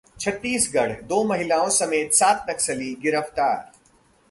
छत्तीसगढ़: दो महिलाओं समेत सात नक्सली गिरफ्तार